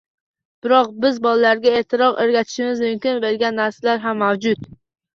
Biroq biz bolalarga ertaroq o‘rgatishimiz mumkin bo‘lgan narsalar ham mavjud.